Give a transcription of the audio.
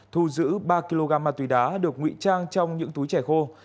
thu giữ ba kg ma túy đá được ngụy trang trong những túi trẻ khô